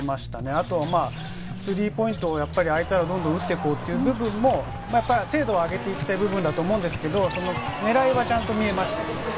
あとはスリーポイントを相手はどんどん打っていこうという部分、精度を上げてきてる部分だと思いますけど、狙いはちゃんと見えましたね。